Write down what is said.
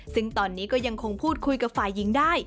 ซึ่งตอนนี้ก็ยังคงพูดคุยกับฝ่ายหญิงได้